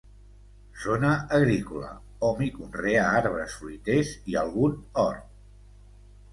Zona agrícola, hom hi conrea arbres fruiters i algun hort.